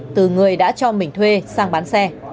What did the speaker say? từ người đã cho mình thuê sang bán xe